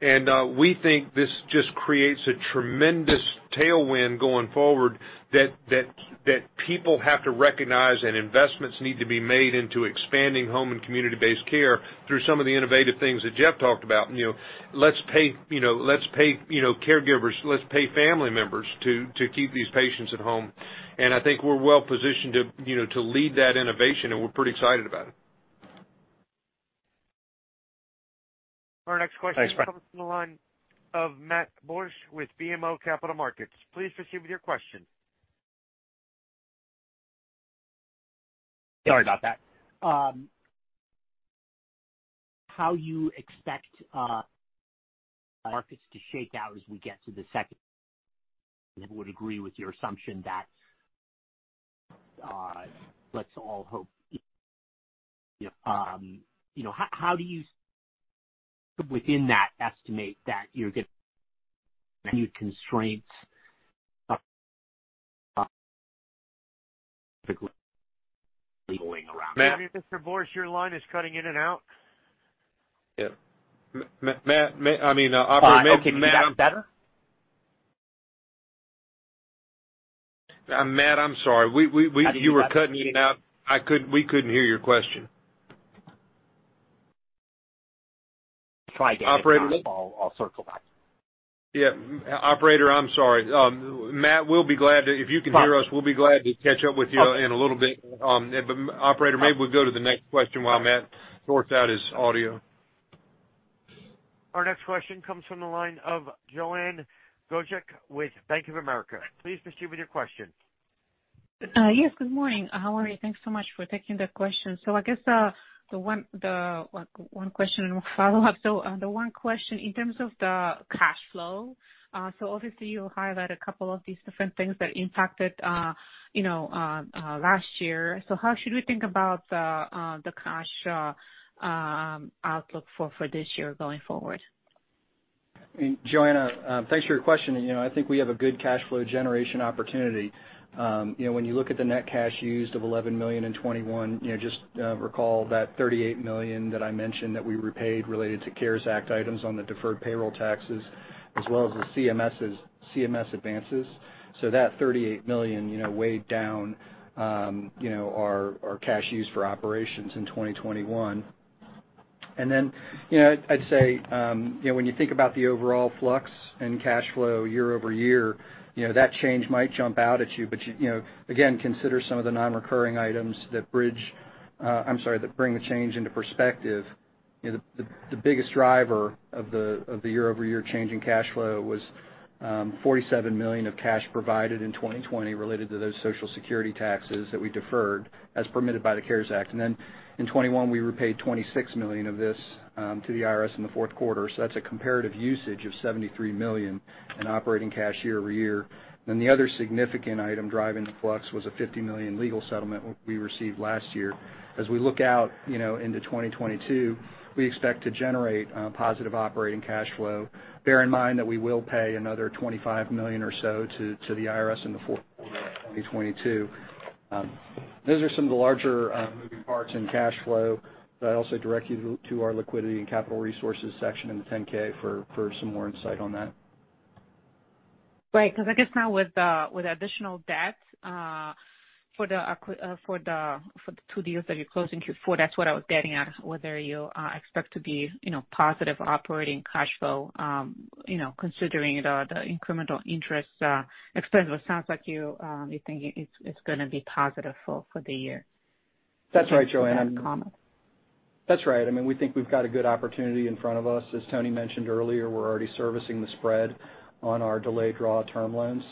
Speaker 3: We think this just creates a tremendous tailwind going forward, that people have to recognize and investments need to be made into expanding home and community-based care through some of the innovative things that Jeff talked about. You know, let's pay, you know, caregivers. Let's pay family members to keep these patients at home. I think we're well positioned to, you know, lead that innovation, and we're pretty excited about it.
Speaker 1: Our next question
Speaker 3: Thanks, Brent.
Speaker 1: Comes from the line of Matt Borsch with BMO Capital Markets. Please proceed with your question.
Speaker 10: Sorry about that how you expect markets to shake out as we get to the would agree with your assumption that let's all hope. You know, how do you within that estimate that constraints.
Speaker 3: Matt.
Speaker 1: Mr. Borsch, your line is cutting in and out.
Speaker 3: Yeah. Matt, I mean, operator.
Speaker 10: Okay. Is that better?
Speaker 3: Matt, I'm sorry. You were cutting in and out. We couldn't hear your question.
Speaker 10: try again, if possible. I'll circle back.
Speaker 3: Operator. Yeah. Operator, I'm sorry. Matt, if you can hear us, we'll be glad to catch up with you in a little bit. Operator, maybe we'll go to the next question while Matt sorts out his audio.
Speaker 1: Our next question comes from the line of Joanna Gajuk with Bank of America. Please proceed with your question.
Speaker 11: Yes, good morning. How are you? Thanks so much for taking the question. I guess, one question and one follow-up. The one question, in terms of the cash flow. So obviously you highlight a couple of these different things that impacted, you know, last year. How should we think about the cash outlook for this year going forward?
Speaker 5: Joanna, thanks for your question. You know, I think we have a good cash flow generation opportunity. You know, when you look at the net cash used of $11 million in 2021, you know, just recall that $38 million that I mentioned that we repaid related to CARES Act items on the deferred payroll taxes as well as the CMS advances. So that $38 million, you know, weighed down our cash used for operations in 2021. You know, I'd say, you know, when you think about the overall flux in cash flow year-over-year, you know, that change might jump out at you. You know, again, consider some of the non-recurring items that bring the change into perspective. You know, the biggest driver of the year-over-year change in cash flow was $47 million of cash provided in 2020 related to those social security taxes that we deferred as permitted by the CARES Act. In 2021, we repaid $26 million of this to the IRS in the fourth quarter. That's a comparative usage of $73 million in operating cash year-over-year. The other significant item driving the flux was a $50 million legal settlement we received last year. As we look out, you know, into 2022, we expect to generate positive operating cash flow. Bear in mind that we will pay another $25 million or so to the IRS in the fourth quarter of 2022. Those are some of the larger moving parts in cash flow, but I also direct you to our liquidity and capital resources section in the 10-K for some more insight on that.
Speaker 11: Right. Because I guess, now with additional debt for the two deals that you closed in Q4, that's what I was getting at, whether you expect to be, you know, positive operating cash flow, you know, considering the incremental interest expense. It sounds like you think it's gonna be positive for the year.
Speaker 5: That's right, Joanna. That's right. I mean we think we've got a good opportunity in front of us. As Tony mentioned earlier, we're already servicing the spread on our delayed draw term loans.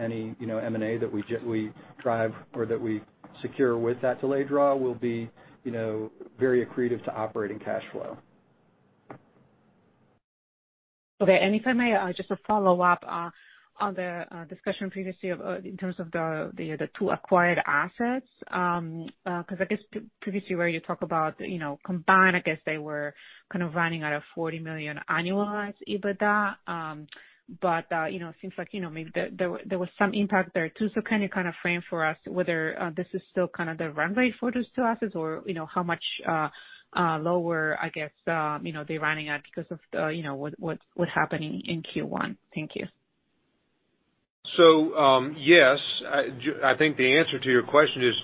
Speaker 5: Any, you know, M&A that we drive or that we secure with that delayed draw will be, you know, very accretive to operating cash flow.
Speaker 11: Okay. If I may, just a follow-up on the discussion previously of in terms of the two acquired assets because, I guess, previously where you talk about, you know, combined. I guess they were kind of running at a $40 million annualized EBITDA. But, you know, it seems like, you know, maybe there was some impact there too. So can you kind of frame for us whether this is still kind of the run rate for those two assets or, you know, how much lower, I guess, you know, they're running at because of the, you know, what's happening in Q1? Thank you.
Speaker 3: Yes. I think the answer to your question is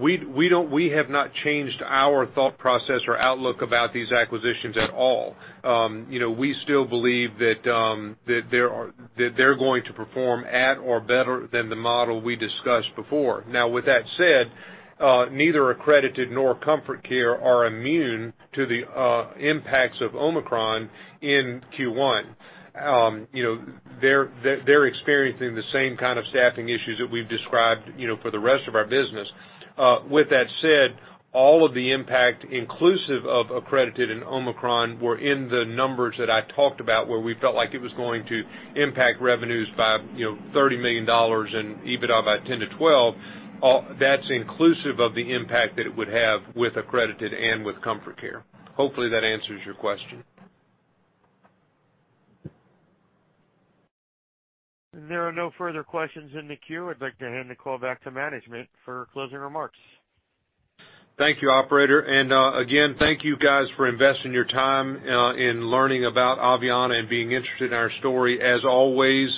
Speaker 3: we have not changed our thought process or outlook about these acquisitions at all. You know, we still believe that they're going to perform at or better than the model we discussed before. Now, with that said, neither Accredited nor Comfort Care are immune to the impacts of Omicron in Q1. You know, they're experiencing the same kind of staffing issues that we've described, you know, for the rest of our business. With that said, all of the impact inclusive of Accredited and Omicron were in the numbers that I talked about, where we felt like it was going to impact revenues by $30 million and EBITDA by $10 million-$12 million. That's inclusive of the impact that it would have with Accredited and with Comfort Care. Hopefully, that answers your question.
Speaker 1: There are no further questions in the queue. I'd like to hand the call back to management for closing remarks.
Speaker 3: Thank you, operator. Again, thank you guys for investing your time in learning about Aveanna and being interested in our story. As always,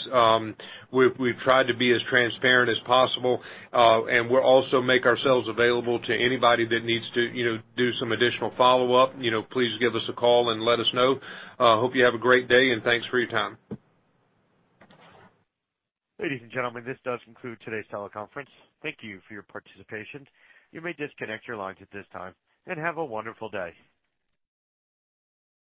Speaker 3: we've tried to be as transparent as possible. We'll also make ourselves available to anybody that needs to, you know, do some additional follow-up. You know, please give us a call and let us know. I hope you have a great day, and thanks for your time.
Speaker 1: Ladies and gentlemen, this does conclude today's teleconference. Thank you for your participation. You may disconnect your lines at this time, and have a wonderful day.